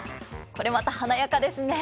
これまた華やかですね。